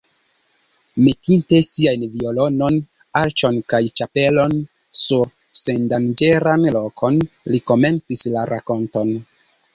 Metinte siajn violonon, arĉon kaj ĉapelon sur sendanĝeran lokon, li komencis la rakonton.